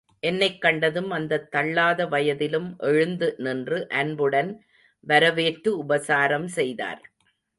என்னைக் கண்டதும் அந்தத் தள்ளாத வயதிலும் எழுந்து நின்று அன்புடன் வரவேற்று உபசாரம் செய்தார்.